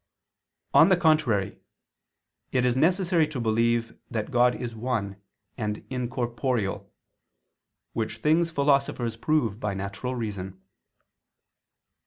On the contrary, It is necessary to believe that God is one and incorporeal: which things philosophers prove by natural reason.